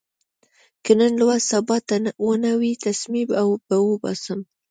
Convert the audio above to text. که نن لوست سبا ته ونه وي، تسمې به اوباسم.